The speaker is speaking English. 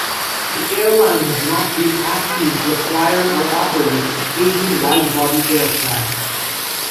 The airline has not been as keen to acquire or operate aging widebody aircraft.